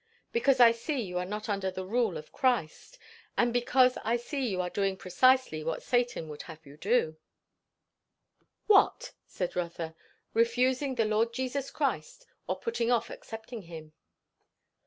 "Because I see you are not under the rule of Christ. And because I see you are doing precisely what Satan would have you do." "What?" said Rotha. "Refusing the Lord Jesus Christ, or putting off accepting him."